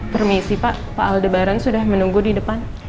permisi pak pak aldebaran sudah menunggu di depan